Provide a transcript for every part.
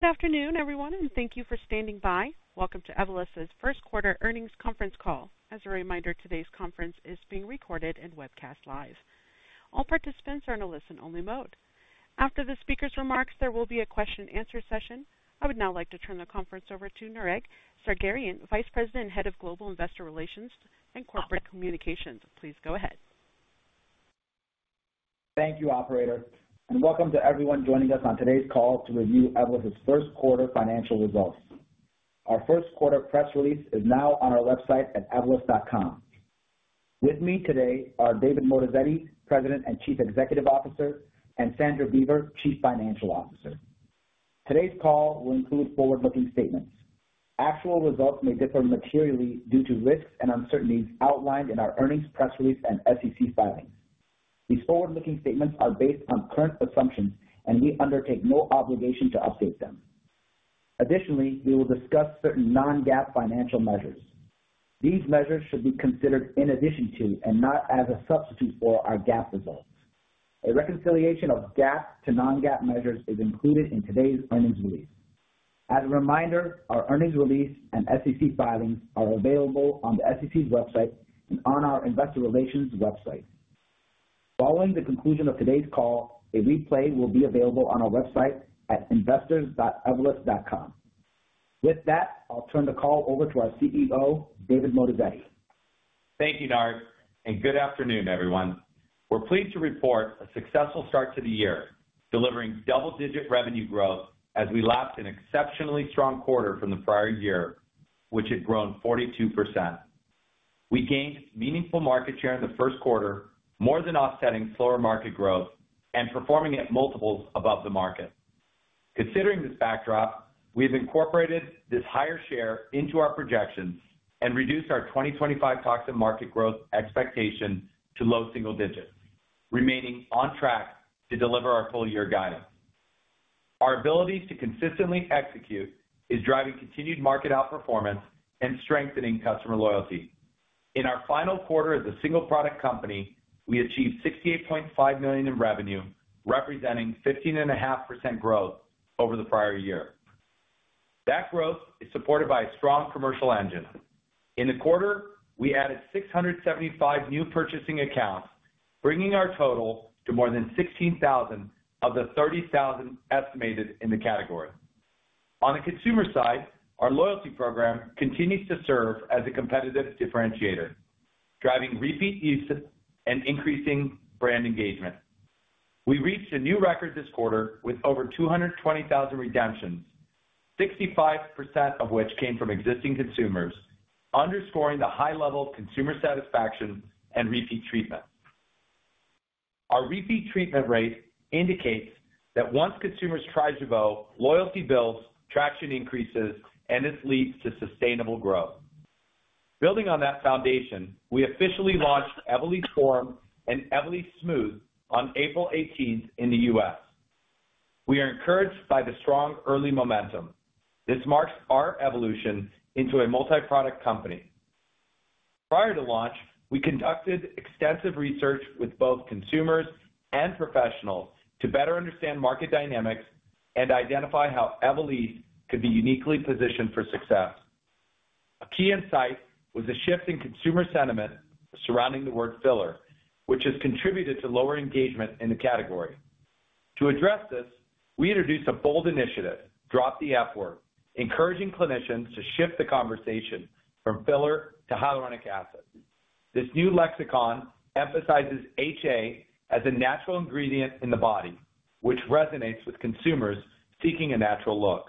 Good afternoon, everyone, and thank you for standing by. Welcome to Evolus's First Quarter Earnings conference call. As a reminder, today's conference is being recorded and webcast live. All participants are in a listen-only mode. After the speaker's remarks, there will be a question-and-answer session. I would now like to turn the conference over to Nareg Sagherian, Vice President and Head of Global Investor Relations and Corporate Communications. Please go ahead. Thank you, Operator, and welcome to everyone joining us on today's call to review Evolus's first quarter financial results. Our first quarter press release is now on our website at evolus.com. With me today are David Moatazedi, President and Chief Executive Officer, and Sandra Beaver, Chief Financial Officer. Today's call will include forward-looking statements. Actual results may differ materially due to risks and uncertainties outlined in our earnings press release and SEC filings. These forward-looking statements are based on current assumptions, and we undertake no obligation to update them. Additionally, we will discuss certain non-GAAP financial measures. These measures should be considered in addition to, and not as a substitute for, our GAAP results. A reconciliation of GAAP to non-GAAP measures is included in today's earnings release. As a reminder, our earnings release and SEC filings are available on the SEC's website and on our investor relations website. Following the conclusion of today's call, a replay will be available on our website at investors.evolus.com. With that, I'll turn the call over to our CEO, David Moatazedi. Thank you, Darren, and good afternoon, everyone. We're pleased to report a successful start to the year, delivering double-digit revenue growth as we lapped an exceptionally strong quarter from the prior year, which had grown 42%. We gained meaningful market share in the first quarter, more than offsetting slower market growth and performing at multiples above the market. Considering this backdrop, we have incorporated this higher share into our projections and reduced our 2025 toxin market growth expectation to low single digits, remaining on track to deliver our full-year guidance. Our ability to consistently execute is driving continued market outperformance and strengthening customer loyalty. In our final quarter as a single-product company, we achieved $68.5 million in revenue, representing 15.5% growth over the prior year. That growth is supported by a strong commercial engine. In the quarter, we added 675 new purchasing accounts, bringing our total to more than 16,000 of the 30,000 estimated in the category. On the consumer side, our loyalty program continues to serve as a competitive differentiator, driving repeat usage and increasing brand engagement. We reached a new record this quarter with over 220,000 redemptions, 65% of which came from existing consumers, underscoring the high level of consumer satisfaction and repeat treatment. Our repeat treatment rate indicates that once consumers try Jeuveau, loyalty builds, traction increases, and this leads to sustainable growth. Building on that foundation, we officially launched Evolysse Form and Evolysse Smooth on April 18th in the U.S. We are encouraged by the strong early momentum. This marks our evolution into a multi-product company. Prior to launch, we conducted extensive research with both consumers and professionals to better understand market dynamics and identify how Evolysse could be uniquely positioned for success. A key insight was the shift in consumer sentiment surrounding the word "filler," which has contributed to lower engagement in the category. To address this, we introduced a bold initiative, Drop the F Word, encouraging clinicians to shift the conversation from filler to hyaluronic acid. This new lexicon emphasizes HA as a natural ingredient in the body, which resonates with consumers seeking a natural look.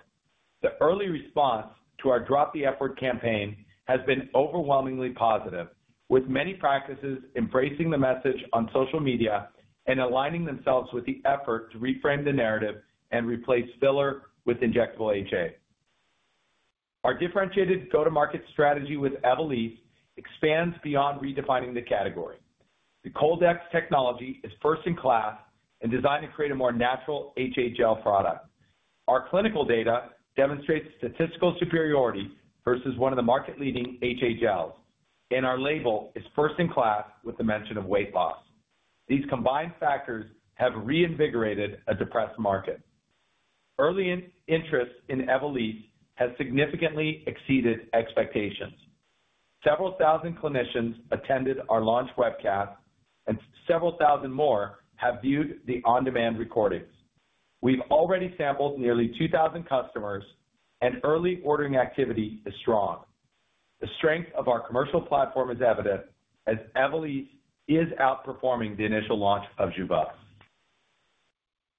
The early response to our Drop the F Word campaign has been overwhelmingly positive, with many practices embracing the message on social media and aligning themselves with the effort to reframe the narrative and replace filler with injectable HA. Our differentiated go-to-market strategy with Evolysse expands beyond redefining the category. The Cold-X technology is first in class and designed to create a more natural HA gel product. Our clinical data demonstrates statistical superiority versus one of the market-leading HA gels, and our label is first in class with the mention of weight loss. These combined factors have reinvigorated a depressed market. Early interest in Evolysse has significantly exceeded expectations. Several thousand clinicians attended our launch webcast, and several thousand more have viewed the on-demand recordings. We've already sampled nearly 2,000 customers, and early ordering activity is strong. The strength of our commercial platform is evident as Evolysse is outperforming the initial launch of Jeuveau.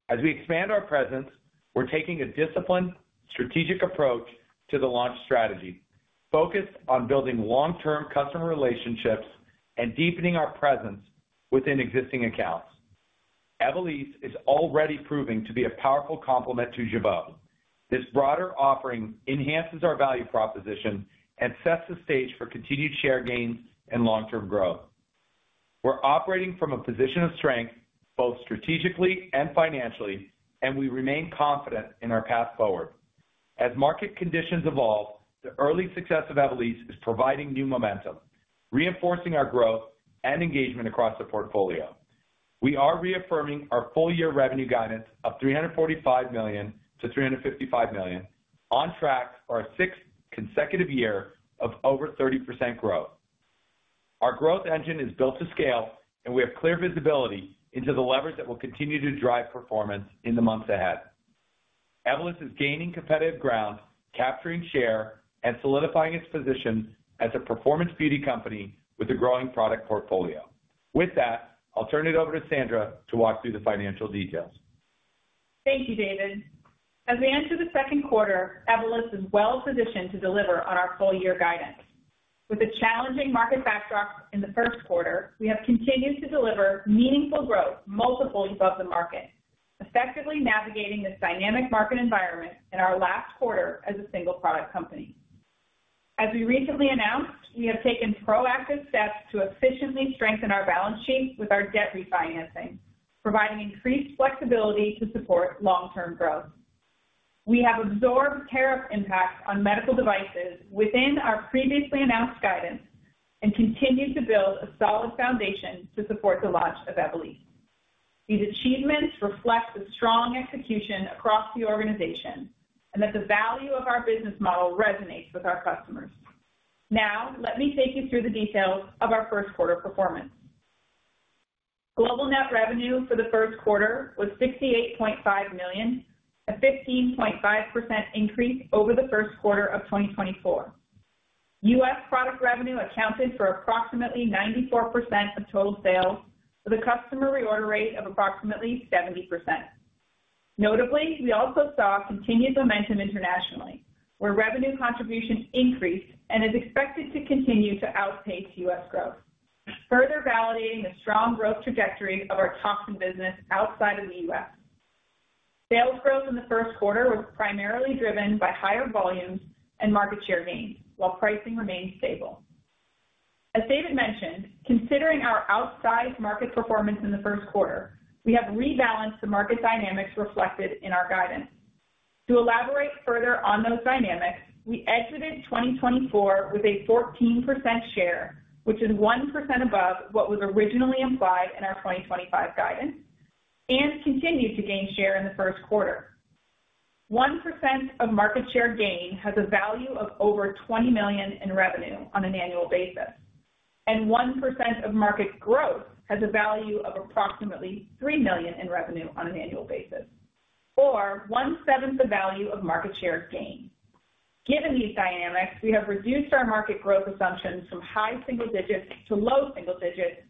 As we expand our presence, we're taking a disciplined, strategic approach to the launch strategy, focused on building long-term customer relationships and deepening our presence within existing accounts. Evolysse is already proving to be a powerful complement to Jeuveau. This broader offering enhances our value proposition and sets the stage for continued share gains and long-term growth. We're operating from a position of strength both strategically and financially, and we remain confident in our path forward. As market conditions evolve, the early success of Evolysse is providing new momentum, reinforcing our growth and engagement across the portfolio. We are reaffirming our full-year revenue guidance of $345 million-$355 million, on track for our sixth consecutive year of over 30% growth. Our growth engine is built to scale, and we have clear visibility into the levers that will continue to drive performance in the months ahead. Evolus is gaining competitive ground, capturing share, and solidifying its position as a performance beauty company with a growing product portfolio. With that, I'll turn it over to Sandra to walk through the financial details. Thank you, David. As we enter the second quarter, Evolus is well positioned to deliver on our full-year guidance. With a challenging market backdrop in the first quarter, we have continued to deliver meaningful growth multiples above the market, effectively navigating this dynamic market environment in our last quarter as a single-product company. As we recently announced, we have taken proactive steps to efficiently strengthen our balance sheet with our debt refinancing, providing increased flexibility to support long-term growth. We have absorbed tariff impacts on medical devices within our previously announced guidance and continue to build a solid foundation to support the launch of Evolysse. These achievements reflect the strong execution across the organization and that the value of our business model resonates with our customers. Now, let me take you through the details of our first quarter performance. Global net revenue for the first quarter was $68.5 million, a 15.5% increase over the first quarter of 2024. U.S. product revenue accounted for approximately 94% of total sales, with a customer reorder rate of approximately 70%. Notably, we also saw continued momentum internationally, where revenue contribution increased and is expected to continue to outpace U.S. growth, further validating the strong growth trajectory of our toxin business outside of the U.S. Sales growth in the first quarter was primarily driven by higher volumes and market share gains, while pricing remained stable. As David mentioned, considering our outsized market performance in the first quarter, we have rebalanced the market dynamics reflected in our guidance. To elaborate further on those dynamics, we exited 2024 with a 14% share, which is 1% above what was originally implied in our 2025 guidance, and continued to gain share in the first quarter. 1% of market share gain has a value of over $20 million in revenue on an annual basis, and 1% of market growth has a value of approximately $3 million in revenue on an annual basis, or one-seventh the value of market share gain. Given these dynamics, we have reduced our market growth assumptions from high single digits to low single digits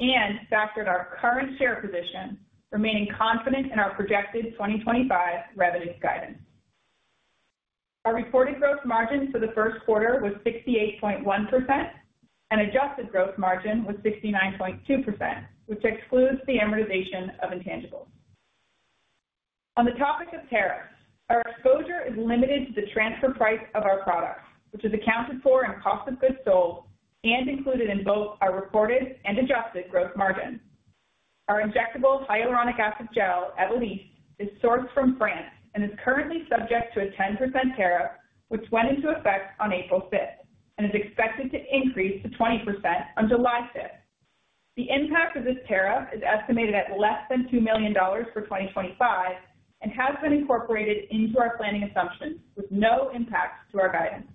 and factored our current share position, remaining confident in our projected 2025 revenue guidance. Our reported gross margin for the first quarter was 68.1%, and adjusted gross margin was 69.2%, which excludes the amortization of intangibles. On the topic of tariffs, our exposure is limited to the transfer price of our products, which is accounted for in cost of goods sold and included in both our reported and adjusted gross margin. Our injectable hyaluronic acid gel, Evolysse, is sourced from France and is currently subject to a 10% tariff, which went into effect on April 5th and is expected to increase to 20% on July 5th. The impact of this tariff is estimated at less than $2 million for 2025 and has been incorporated into our planning assumptions with no impact to our guidance.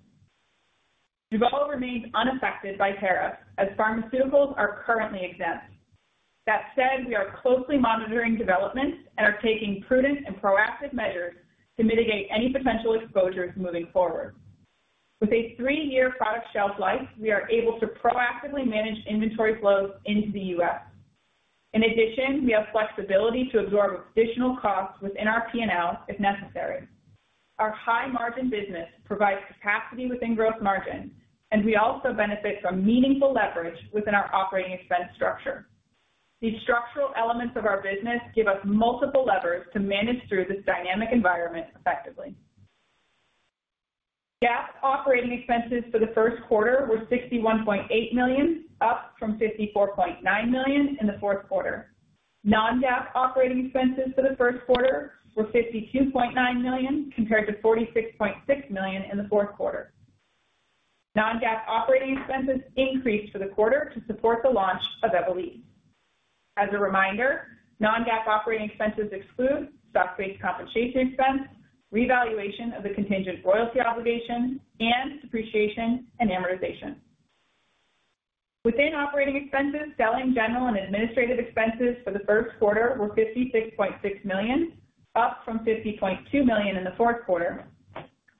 Jeuveau remains unaffected by tariffs as pharmaceuticals are currently exempt. That said, we are closely monitoring developments and are taking prudent and proactive measures to mitigate any potential exposures moving forward. With a three-year product shelf life, we are able to proactively manage inventory flows into the U.S. In addition, we have flexibility to absorb additional costs within our P&L if necessary. Our high-margin business provides capacity within gross margin, and we also benefit from meaningful leverage within our operating expense structure. These structural elements of our business give us multiple levers to manage through this dynamic environment effectively. GAAP operating expenses for the first quarter were $61.8 million, up from $54.9 million in the fourth quarter. Non-GAAP operating expenses for the first quarter were $52.9 million compared to $46.6 million in the fourth quarter. Non-GAAP operating expenses increased for the quarter to support the launch of Evolysse. As a reminder, non-GAAP operating expenses exclude stock-based compensation expense, revaluation of the contingent royalty obligation, and depreciation and amortization. Within operating expenses, selling, general, and administrative expenses for the first quarter were $56.6 million, up from $50.2 million in the fourth quarter,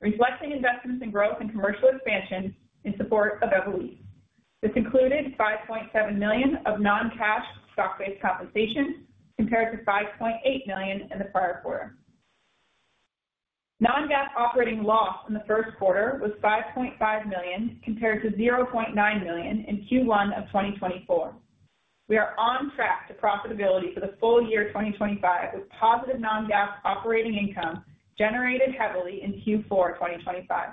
reflecting investments in growth and commercial expansion in support of Evolysse. This included $5.7 million of non-cash stock-based compensation compared to $5.8 million in the prior quarter. Non-GAAP operating loss in the first quarter was $5.5 million compared to $0.9 million in Q1 of 2024. We are on track to profitability for the full year 2025 with positive non-GAAP operating income generated heavily in Q4 2025.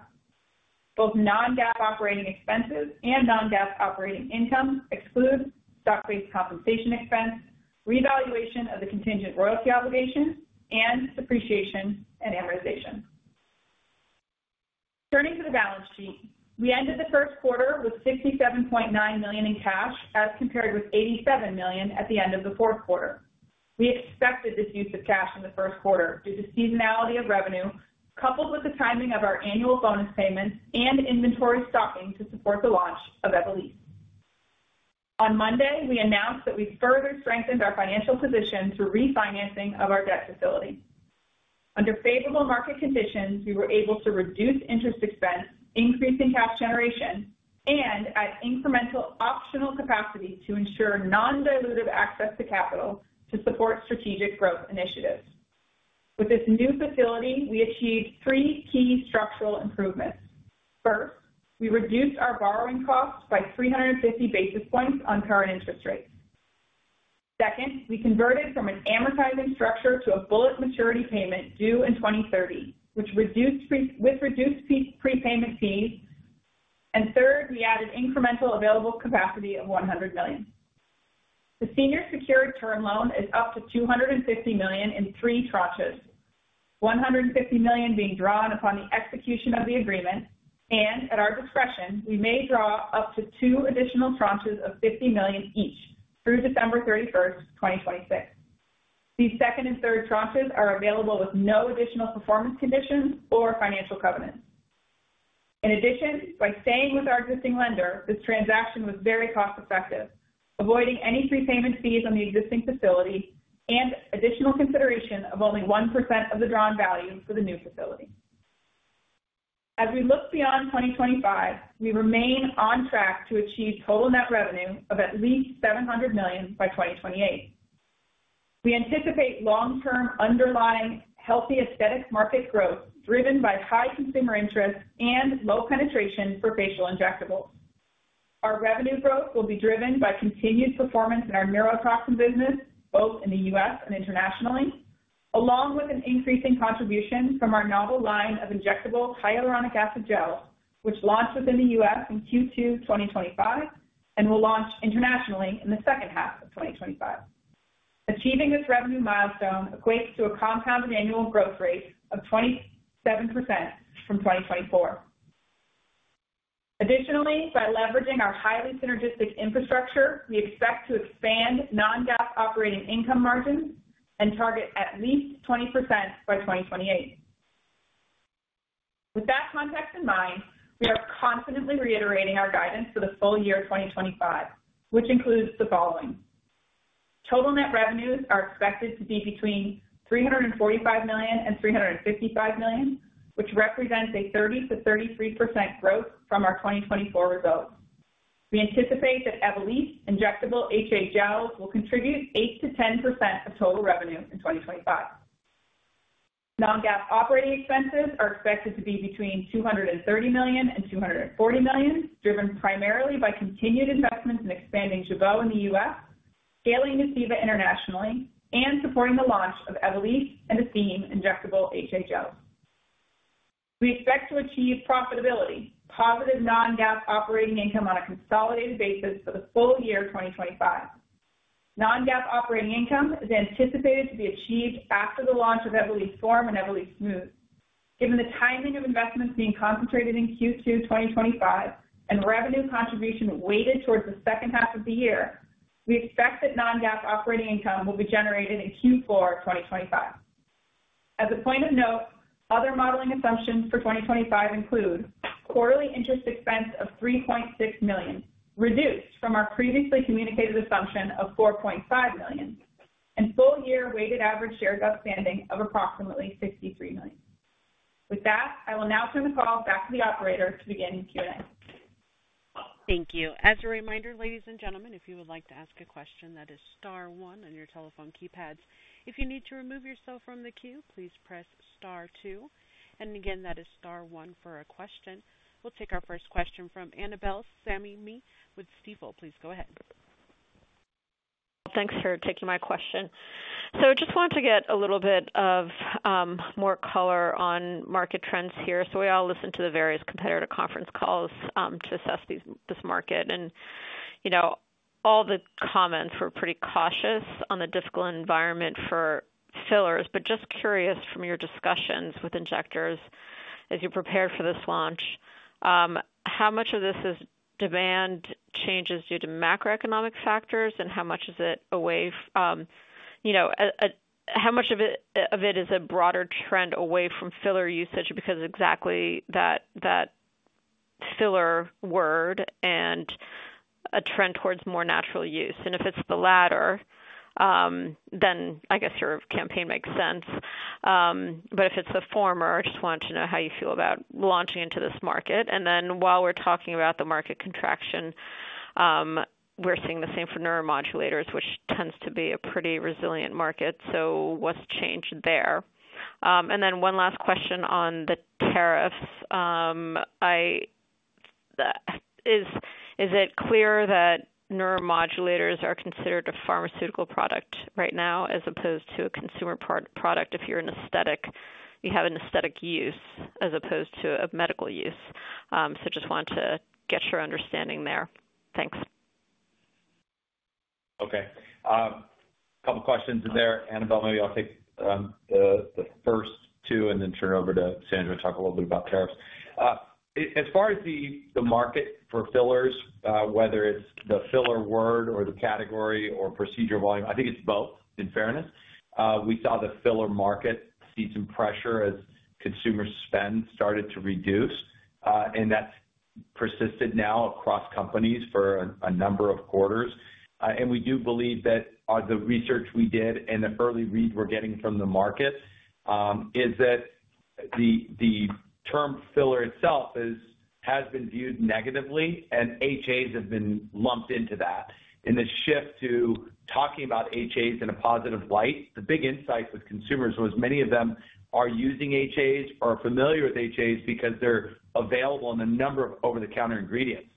Both non-GAAP operating expenses and non-GAAP operating income exclude stock-based compensation expense, revaluation of the contingent royalty obligation, and depreciation and amortization. Turning to the balance sheet, we ended the first quarter with $67.9 million in cash as compared with $87 million at the end of the fourth quarter. We expected this use of cash in the first quarter due to seasonality of revenue, coupled with the timing of our annual bonus payments and inventory stocking to support the launch of Evolysse. On Monday, we announced that we further strengthened our financial position through refinancing of our debt facility. Under favorable market conditions, we were able to reduce interest expense, increase in cash generation, and add incremental optional capacity to ensure non-dilutive access to capital to support strategic growth initiatives. With this new facility, we achieved three key structural improvements. First, we reduced our borrowing costs by 350 basis points on current interest rates. Second, we converted from an amortizing structure to a bullet maturity payment due in 2030, which reduced prepayment fees. Third, we added incremental available capacity of $100 million. The senior secured term loan is up to $250 million in three tranches, $150 million being drawn upon the execution of the agreement, and at our discretion, we may draw up to two additional tranches of $50 million each through December 31st, 2026. These second and third tranches are available with no additional performance conditions or financial covenants. In addition, by staying with our existing lender, this transaction was very cost-effective, avoiding any prepayment fees on the existing facility and additional consideration of only 1% of the drawn value for the new facility. As we look beyond 2025, we remain on track to achieve total net revenue of at least $700 million by 2028. We anticipate long-term underlying healthy aesthetic market growth driven by high consumer interest and low penetration for facial injectables. Our revenue growth will be driven by continued performance in our neurotoxin business, both in the U.S. and internationally, along with an increasing contribution from our novel line of injectable hyaluronic acid gels, which launched within the U.S. in Q2 2025 and will launch internationally in the second half of 2025. Achieving this revenue milestone equates to a compounded annual growth rate of 27% from 2024. Additionally, by leveraging our highly synergistic infrastructure, we expect to expand non-GAAP operating income margins and target at least 20% by 2028. With that context in mind, we are confidently reiterating our guidance for the full year 2025, which includes the following: total net revenues are expected to be between $345 million and $355 million, which represents a 30%-33% growth from our 2024 results. We anticipate that Evolysse injectable HA gels will contribute 8%-10% of total revenue in 2025. Non-GAAP operating expenses are expected to be between $230 million and $240 million, driven primarily by continued investments in expanding Jeuveau in the U.S., scaling internationally, and supporting the launch of Evolysse and Estyme injectable HA gels. We expect to achieve profitability, positive non-GAAP operating income on a consolidated basis for the full year 2025. Non-GAAP operating income is anticipated to be achieved after the launch of Evolysse Form and Evolysse Smooth. Given the timing of investments being concentrated in Q2 2025 and revenue contribution weighted towards the second half of the year, we expect that non-GAAP operating income will be generated in Q4 2025. As a point of note, other modeling assumptions for 2025 include quarterly interest expense of $3.6 million, reduced from our previously communicated assumption of $4.5 million, and full-year weighted average shares outstanding of approximately 63 million. With that, I will now turn the call back to the operator to begin Q&A. Thank you. As a reminder, ladies and gentlemen, if you would like to ask a question, that is star one on your telephone keypads. If you need to remove yourself from the queue, please press star two. That is star one for a question. We'll take our first question from Annabel Samimy with Stifel. Please go ahead. Thanks for taking my question. I just wanted to get a little bit of more color on market trends here. We all listen to the various competitor conference calls to assess this market. All the comments were pretty cautious on the difficult environment for fillers. Just curious, from your discussions with injectors as you prepared for this launch, how much of this is demand changes due to macroeconomic factors, and how much is it away? How much of it is a broader trend away from filler usage because exactly that filler word and a trend towards more natural use? If it's the latter, then I guess your campaign makes sense. If it's the former, I just wanted to know how you feel about launching into this market. While we're talking about the market contraction, we're seeing the same for neuromodulators, which tends to be a pretty resilient market. What's changed there? One last question on the tariffs. Is it clear that neuromodulators are considered a pharmaceutical product right now as opposed to a consumer product? If you have an aesthetic use as opposed to a medical use, just wanted to get your understanding there. Thanks. Okay. A couple of questions in there. Annabel, maybe I'll take the first two and then turn over to Sandra and talk a little bit about tariffs. As far as the market for fillers, whether it's the filler word or the category or procedure volume, I think it's both, in fairness. We saw the filler market see some pressure as consumer spend started to reduce, and that's persisted now across companies for a number of quarters. We do believe that the research we did and the early read we're getting from the market is that the term filler itself has been viewed negatively, and HAs have been lumped into that. The shift to talking about HAs in a positive light, the big insight with consumers was many of them are using HAs or are familiar with HAs because they're available in a number of over-the-counter ingredients.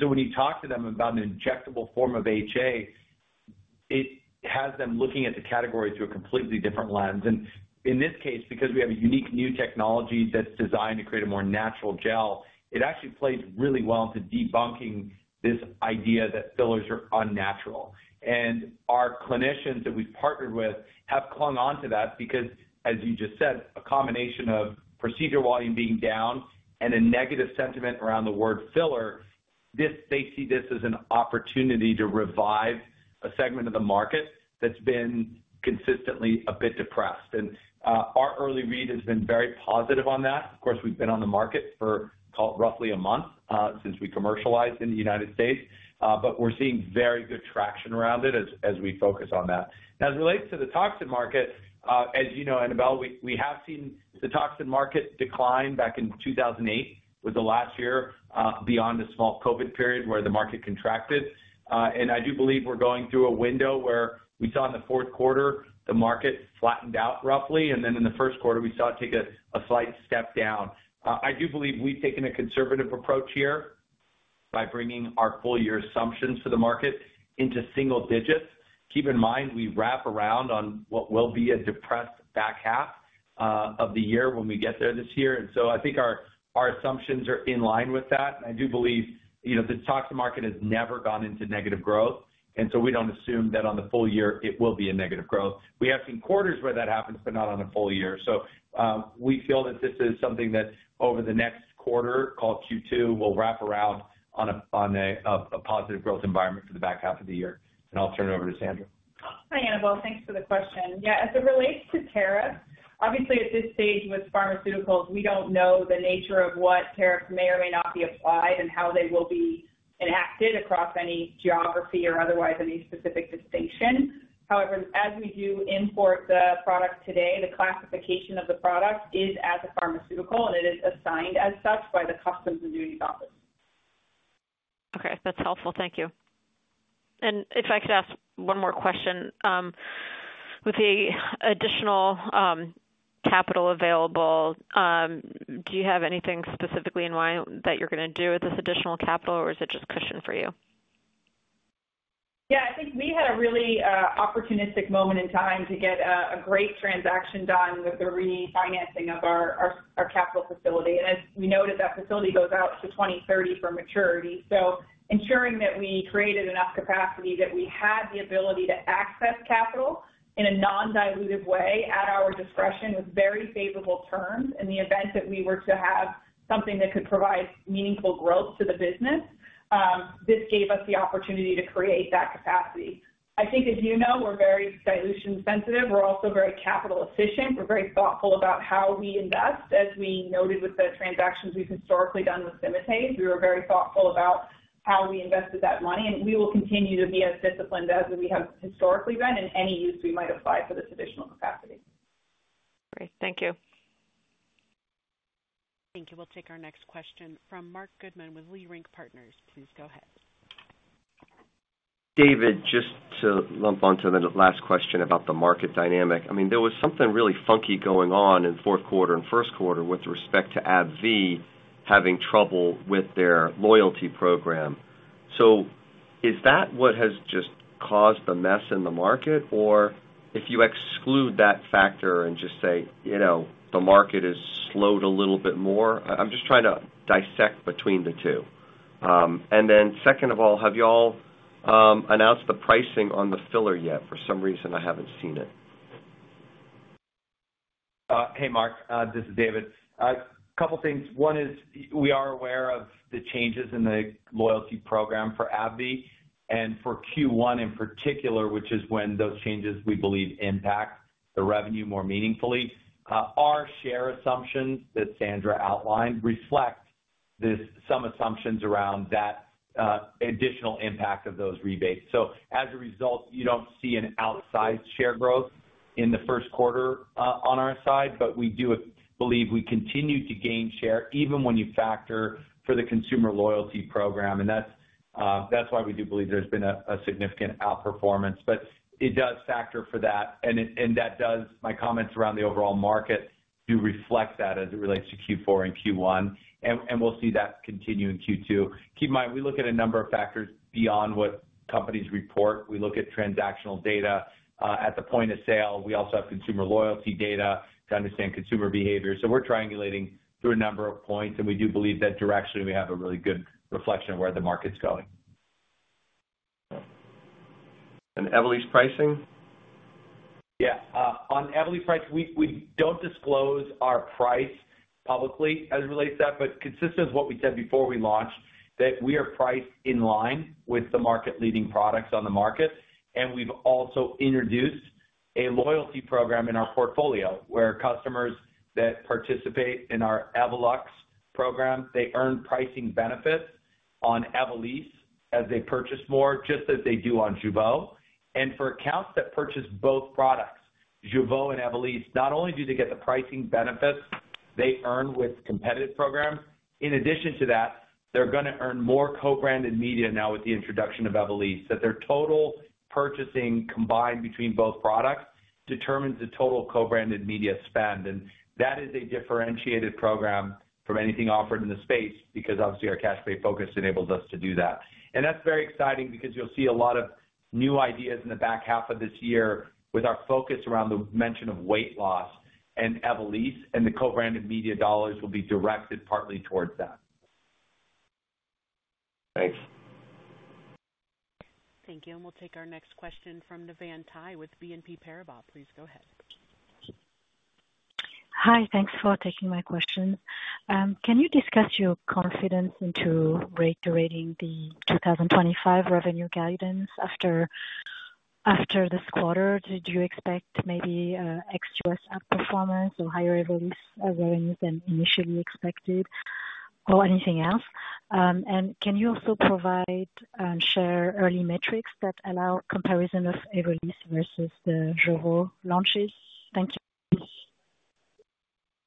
When you talk to them about an injectable form of HA, it has them looking at the category through a completely different lens. In this case, because we have a unique new technology that's designed to create a more natural gel, it actually plays really well into debunking this idea that fillers are unnatural. Our clinicians that we've partnered with have clung on to that because, as you just said, a combination of procedure volume being down and a negative sentiment around the word filler, they see this as an opportunity to revive a segment of the market that's been consistently a bit depressed. Our early read has been very positive on that. Of course, we've been on the market for roughly a month since we commercialized in the United States, but we're seeing very good traction around it as we focus on that. As it relates to the toxin market, as you know, Annabel, we have seen the toxin market decline back in 2008, was the last year beyond a small COVID period where the market contracted. I do believe we're going through a window where we saw in the fourth quarter, the market flattened out roughly, and then in the first quarter, we saw it take a slight step down. I do believe we've taken a conservative approach here by bringing our full-year assumptions for the market into single digits. Keep in mind, we wrap around on what will be a depressed back half of the year when we get there this year. I think our assumptions are in line with that. I do believe the toxin market has never gone into negative growth, and we do not assume that on the full year, it will be a negative growth. We have seen quarters where that happens, but not on a full year. We feel that this is something that over the next quarter, called Q2, we will wrap around on a positive growth environment for the back half of the year. I will turn it over to Sandra. Hi, Annabel. Thanks for the question. Yeah, as it relates to tariffs, obviously, at this stage with pharmaceuticals, we don't know the nature of what tariffs may or may not be applied and how they will be enacted across any geography or otherwise any specific distinction. However, as we do import the product today, the classification of the product is as a pharmaceutical, and it is assigned as such by the Customs and Duties Office. Okay. That's helpful. Thank you. If I could ask one more question, with the additional capital available, do you have anything specifically in mind that you're going to do with this additional capital, or is it just cushion for you? Yeah, I think we had a really opportunistic moment in time to get a great transaction done with the refinancing of our capital facility. As we noted, that facility goes out to 2030 for maturity. Ensuring that we created enough capacity, that we had the ability to access capital in a non-dilutive way at our discretion with very favorable terms in the event that we were to have something that could provide meaningful growth to the business, this gave us the opportunity to create that capacity. I think, as you know, we're very dilution sensitive. We're also very capital efficient. We're very thoughtful about how we invest. As we noted with the transactions we've historically done with Daewoong Pharmaceutical, we were very thoughtful about how we invested that money. We will continue to be as disciplined as we have historically been in any use we might apply for this additional capacity. Great. Thank you. Thank you. We'll take our next question from Marc Goodman with Leerink Partners. Please go ahead. David, just to lump onto the last question about the market dynamic, I mean, there was something really funky going on in the fourth quarter and first quarter with respect to AbbVie having trouble with their loyalty program. Is that what has just caused the mess in the market? If you exclude that factor and just say, you know, the market has slowed a little bit more, I'm just trying to dissect between the two. Second of all, have y'all announced the pricing on the filler yet? For some reason, I haven't seen it. Hey, Mark. This is David. A couple of things. One is we are aware of the changes in the loyalty program for AbbVie and for Q1 in particular, which is when those changes we believe impact the revenue more meaningfully. Our share assumptions that Sandra outlined reflect some assumptions around that additional impact of those rebates. As a result, you do not see an outsized share growth in the first quarter on our side, but we do believe we continue to gain share even when you factor for the consumer loyalty program. That is why we do believe there has been a significant outperformance. It does factor for that. My comments around the overall market do reflect that as it relates to Q4 and Q1. We will see that continue in Q2. Keep in mind, we look at a number of factors beyond what companies report. We look at transactional data at the point of sale. We also have consumer loyalty data to understand consumer behavior. We are triangulating through a number of points, and we do believe that directionally we have a really good reflection of where the market's going. And Evolysse pricing? Yeah. On Evolysse's price, we do not disclose our price publicly as it relates to that, but consistent with what we said before we launched, that we are priced in line with the market-leading products on the market. We have also introduced a loyalty program in our portfolio where customers that participate in our Evolus Rewards program, they earn pricing benefits on Evolysse as they purchase more, just as they do on Jeuveau. For accounts that purchase both products, Jeuveau and Evolysse, not only do they get the pricing benefits they earn with competitive programs, in addition to that, they are going to earn more co-branded media now with the introduction of Evolysse. Their total purchasing combined between both products determines the total co-branded media spend. That is a differentiated program from anything offered in the space because, obviously, our cash-pay focus enables us to do that. That is very exciting because you'll see a lot of new ideas in the back half of this year with our focus around the mention of weight loss. And Evolysse and the co-branded media dollars will be directed partly towards that. Thanks. Thank you. We'll take our next question from Navann Ty with BNP Paribas. Please go ahead. Hi. Thanks for taking my question. Can you discuss your confidence into reiterating the 2025 revenue guidance after this quarter? Did you expect maybe ex-US outperformance or higher Evolysse than initially expected or anything else? Can you also provide and share early metrics that allow comparison of Evolysse versus the Jeuveau launches? Thank you.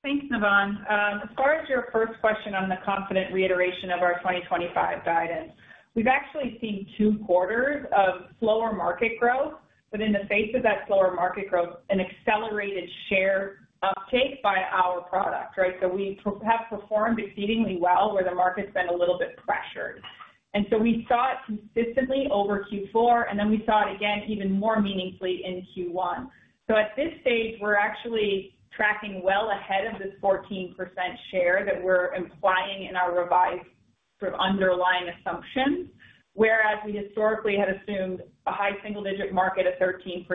Thanks, Nivan. As far as your first question on the confident reiteration of our 2025 guidance, we've actually seen two quarters of slower market growth. In the face of that slower market growth, an accelerated share uptake by our product, right? We have performed exceedingly well where the market's been a little bit pressured. We saw it consistently over Q4, and then we saw it again even more meaningfully in Q1. At this stage, we're actually tracking well ahead of this 14% share that we're implying in our revised sort of underlying assumptions. Whereas we historically had assumed a high single-digit market, a 13%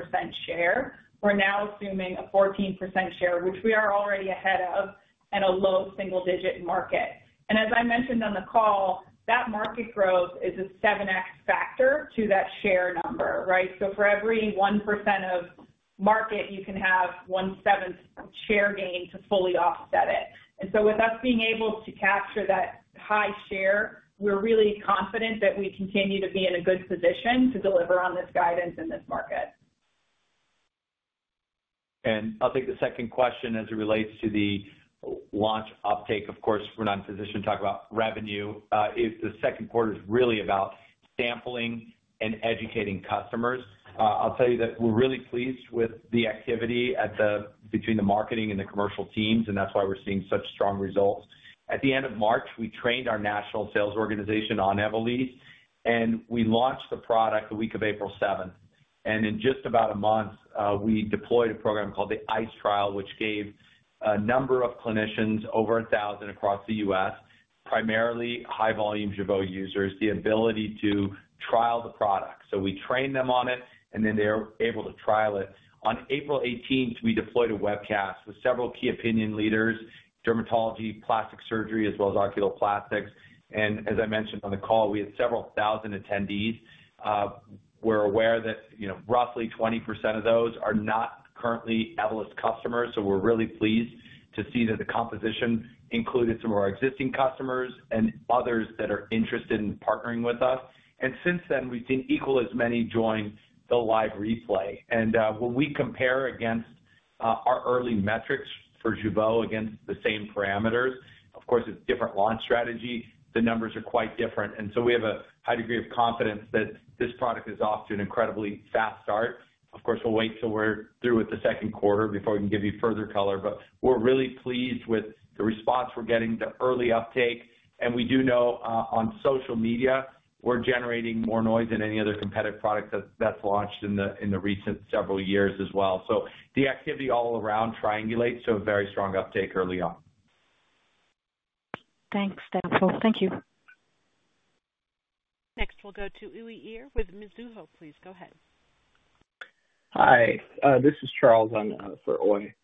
share, we're now assuming a 14% share, which we are already ahead of, and a low single-digit market. As I mentioned on the call, that market growth is a 7x factor to that share number, right? For every 1% of market, you can have one-seventh share gain to fully offset it. With us being able to capture that high share, we're really confident that we continue to be in a good position to deliver on this guidance in this market. I'll take the second question as it relates to the launch uptake. Of course, we're not in a position to talk about revenue. The second quarter is really about sampling and educating customers. I'll tell you that we're really pleased with the activity between the marketing and the commercial teams, and that's why we're seeing such strong results. At the end of March, we trained our national sales organization on Evolysse, and we launched the product the week of April 7th. In just about a month, we deployed a program called the ICE Trail, which gave a number of clinicians, over 1,000 across the U.S., primarily high-volume Jeuveau users, the ability to trial the product. We trained them on it, and then they were able to trial it. On April 18th, we deployed a webcast with several key opinion leaders, dermatology, plastic surgery, as well as oculoplastics. As I mentioned on the call, we had several thousand attendees. We're aware that roughly 20% of those are not currently Evolus customers. We're really pleased to see that the composition included some of our existing customers and others that are interested in partnering with us. Since then, we've seen equally as many join the live replay. When we compare against our early metrics for Jeuveau against the same parameters, of course, it's a different launch strategy. The numbers are quite different. We have a high degree of confidence that this product has offed to an incredibly fast start. Of course, we'll wait till we're through with the second quarter before we can give you further color. We're really pleased with the response we're getting, the early uptake. We do know on social media, we're generating more noise than any other competitive product that's launched in the recent several years as well. The activity all around triangulates to a very strong uptake early on. Thanks, David. Thank you. Next, we'll go to Ey Ear with Mizuho. Please go ahead. Hi. This is Charles for Ey.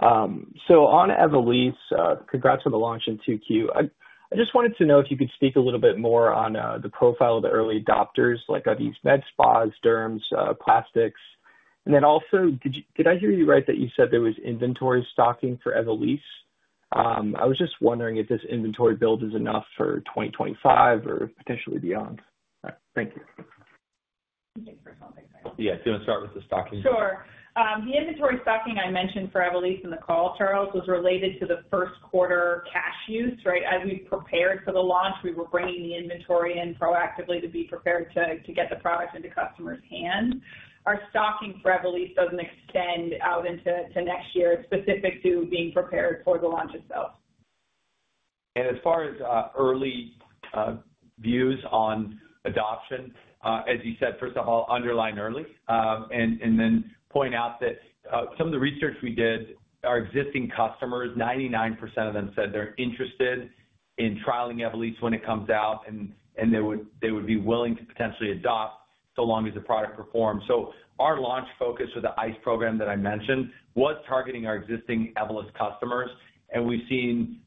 On Evolysse, congrats on the launch in Q2. I just wanted to know if you could speak a little bit more on the profile of the early adopters, like these med spas, derms, plastics. Also, did I hear you right that you said there was inventory stocking for Evolysse? I was just wondering if this inventory build is enough for 2025 or potentially beyond. Thank you. Yeah. Do you want to start with the stocking? Sure. The inventory stocking I mentioned for Evolysse in the call, Charles, was related to the first quarter cash use, right? As we prepared for the launch, we were bringing the inventory in proactively to be prepared to get the product into customers' hands. Our stocking for Evolysse does not extend out into next year. It is specific to being prepared for the launch itself. As far as early views on adoption, as you said, first of all, underline early and then point out that some of the research we did, our existing customers, 99% of them said they're interested in trialing Evolysse when it comes out, and they would be willing to potentially adopt so long as the product performs. Our launch focus with the ICE program that I mentioned was targeting our existing Evolysse customers. We have seen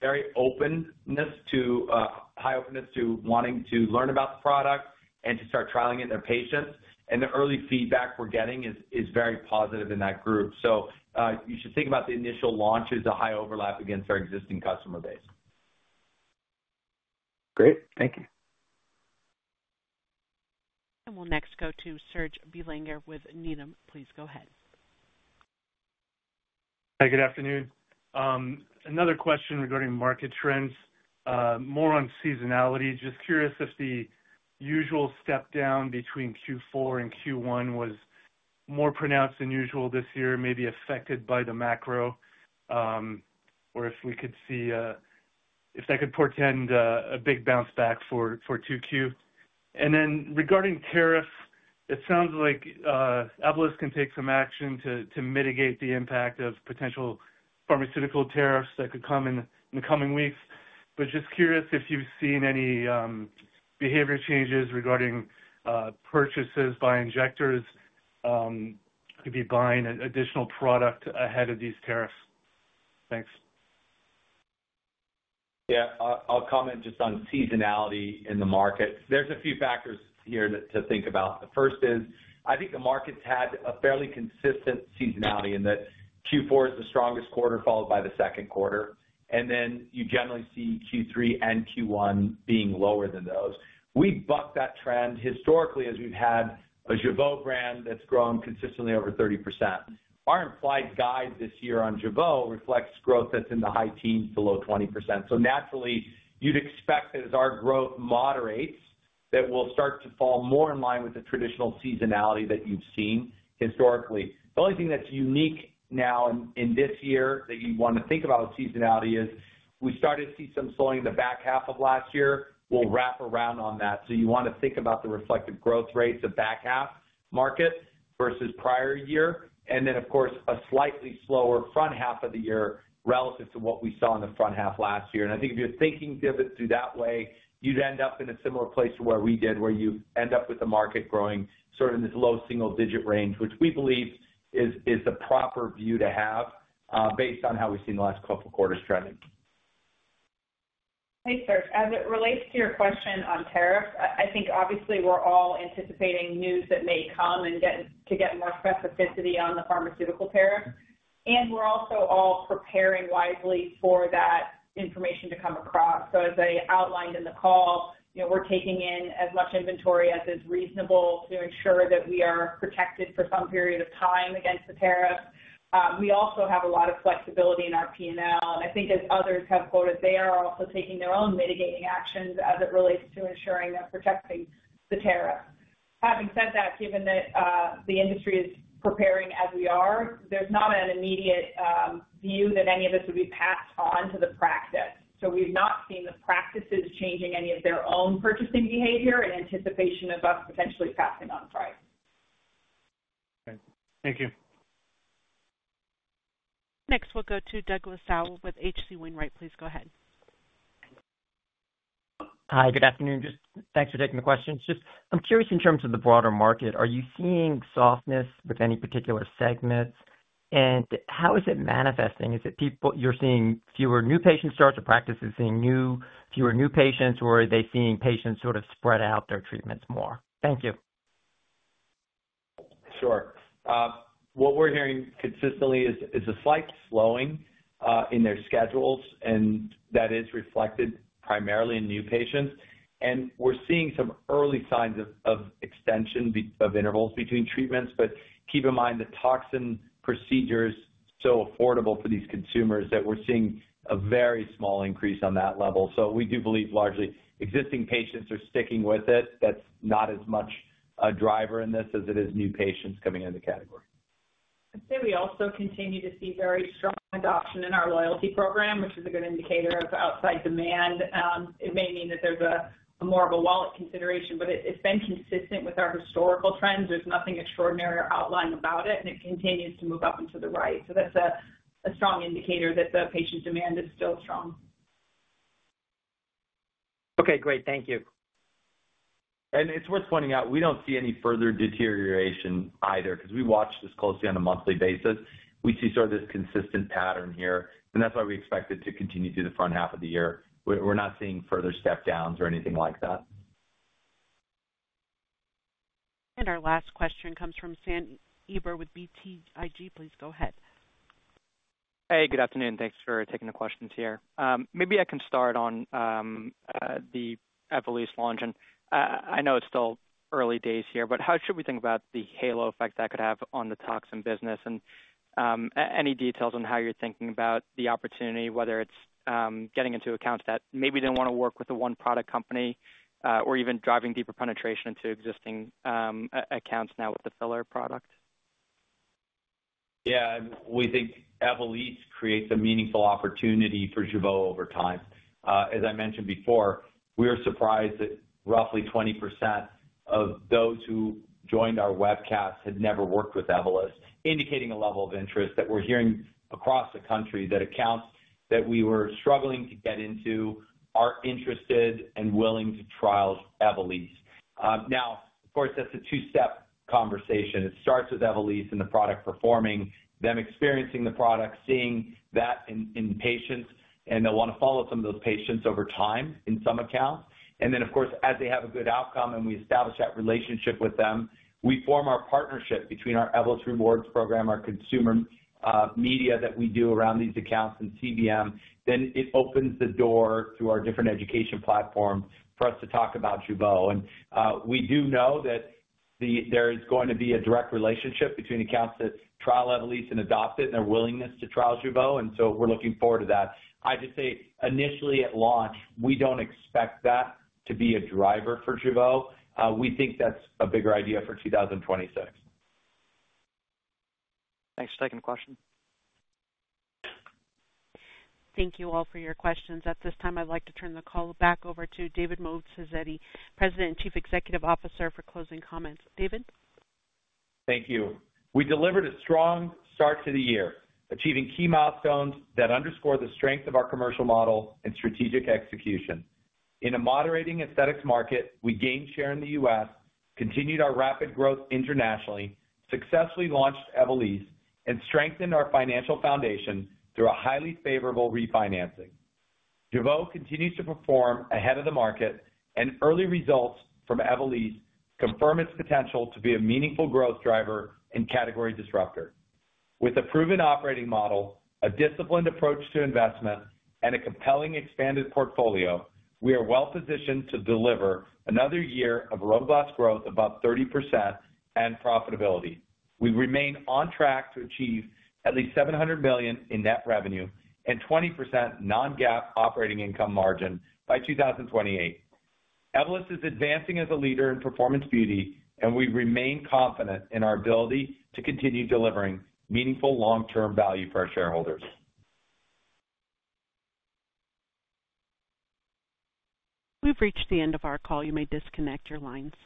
very high openness to wanting to learn about the product and to start trialing it in their patients. The early feedback we're getting is very positive in that group. You should think about the initial launch as a high overlap against our existing customer base. Great. Thank you. We will next go to Serge Belanger with Needham. Please go ahead. Hi, good afternoon. Another question regarding market trends, more on seasonality. Just curious if the usual step down between Q4 and Q1 was more pronounced than usual this year, maybe affected by the macro, or if we could see if that could portend a big bounce back for Q2. Regarding tariffs, it sounds like AbbVie can take some action to mitigate the impact of potential pharmaceutical tariffs that could come in the coming weeks. Just curious if you've seen any behavior changes regarding purchases by injectors to be buying additional product ahead of these tariffs. Thanks. Yeah. I'll comment just on seasonality in the market. There's a few factors here to think about. The first is I think the market's had a fairly consistent seasonality in that Q4 is the strongest quarter followed by the second quarter. And then you generally see Q3 and Q1 being lower than those. We buck that trend historically as we've had a Jeuveau brand that's grown consistently over 30%. Our implied guide this year on Jeuveau reflects growth that's in the high teens to low 20%. So naturally, you'd expect that as our growth moderates, that we'll start to fall more in line with the traditional seasonality that you've seen historically. The only thing that's unique now in this year that you want to think about with seasonality is we started to see some slowing in the back half of last year. We'll wrap around on that. You want to think about the reflective growth rates of back half market versus prior year. Of course, a slightly slower front half of the year relative to what we saw in the front half last year. I think if you're thinking through that way, you'd end up in a similar place to where we did, where you end up with the market growing sort of in this low single-digit range, which we believe is the proper view to have based on how we've seen the last couple of quarters trending. Hey, Serge. As it relates to your question on tariffs, I think obviously we're all anticipating news that may come and to get more specificity on the pharmaceutical tariffs. We're also all preparing wisely for that information to come across. As I outlined in the call, we're taking in as much inventory as is reasonable to ensure that we are protected for some period of time against the tariffs. We also have a lot of flexibility in our P&L. I think as others have quoted, they are also taking their own mitigating actions as it relates to ensuring that protecting the tariffs. Having said that, given that the industry is preparing as we are, there's not an immediate view that any of this would be passed on to the practice. We've not seen the practices changing any of their own purchasing behavior in anticipation of us potentially passing on price. Thank you. Next, we'll go to Douglas Avelar with H.C. Wainwright. Please go ahead. Hi, good afternoon. Just thanks for taking the question. I'm curious in terms of the broader market, are you seeing softness with any particular segments? How is it manifesting? Is it people you're seeing fewer new patient starts or practices seeing fewer new patients, or are they seeing patients sort of spread out their treatments more? Thank you. Sure. What we're hearing consistently is a slight slowing in their schedules, and that is reflected primarily in new patients. We are seeing some early signs of extension of intervals between treatments. Keep in mind that toxin procedure is so affordable for these consumers that we're seeing a very small increase on that level. We do believe largely existing patients are sticking with it. That is not as much a driver in this as it is new patients coming into the category. I'd say we also continue to see very strong adoption in our loyalty program, which is a good indicator of outside demand. It may mean that there's more of a wallet consideration, but it's been consistent with our historical trends. There's nothing extraordinary or outlying about it, and it continues to move up and to the right. That's a strong indicator that the patient demand is still strong. Okay. Great. Thank you. It is worth pointing out, we do not see any further deterioration either because we watch this closely on a monthly basis. We see sort of this consistent pattern here, and that is why we expect it to continue through the front half of the year. We are not seeing further step downs or anything like that. Our last question comes from Sam Eber with BTIG. Please go ahead. Hey, good afternoon. Thanks for taking the questions here. Maybe I can start on the Evolysse launch. I know it's still early days here, but how should we think about the halo effect that could have on the toxin business and any details on how you're thinking about the opportunity, whether it's getting into accounts that maybe didn't want to work with the one product company or even driving deeper penetration into existing accounts now with the filler product? Yeah. We think Evolysse creates a meaningful opportunity for Jeuveau over time. As I mentioned before, we were surprised that roughly 20% of those who joined our webcast had never worked with Evolysse, indicating a level of interest that we're hearing across the country that accounts that we were struggling to get into are interested and willing to trial Evolysse. Now, of course, that's a two-step conversation. It starts with Evolysse and the product performing, them experiencing the product, seeing that in patients, and they'll want to follow some of those patients over time in some accounts. Of course, as they have a good outcome and we establish that relationship with them, we form our partnership between our Evolysse Rewards program, our consumer media that we do around these accounts and CBM, then it opens the door through our different education platforms for us to talk about Jeuveau. We do know that there is going to be a direct relationship between accounts that trial Evolysse and adopt it and their willingness to trial Jeuveau. We are looking forward to that. I just say initially at launch, we do not expect that to be a driver for Jeuveau. We think that is a bigger idea for 2026. Thanks for taking the question. Thank you all for your questions. At this time, I'd like to turn the call back over to David Moatazedi, President and Chief Executive Officer, for closing comments. David? Thank you. We delivered a strong start to the year, achieving key milestones that underscore the strength of our commercial model and strategic execution. In a moderating aesthetics market, we gained share in the U.S., continued our rapid growth internationally, successfully launched Evolysse, and strengthened our financial foundation through a highly favorable refinancing. Jeuveau continues to perform ahead of the market, and early results from Evolysse confirm its potential to be a meaningful growth driver and category disruptor. With a proven operating model, a disciplined approach to investment, and a compelling expanded portfolio, we are well positioned to deliver another year of robust growth above 30% and profitability. We remain on track to achieve at least $700 million in net revenue and 20% non-GAAP operating income margin by 2028. Evolus is advancing as a leader in performance beauty, and we remain confident in our ability to continue delivering meaningful long-term value for our shareholders. We've reached the end of our call. You may disconnect your lines.